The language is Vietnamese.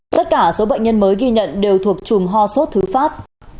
tất cả số bệnh nhân mới ghi nhận đều thuộc chùm ho sốt thứ phát